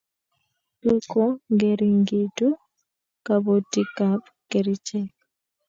Kokongeringitu kabotikab kechirek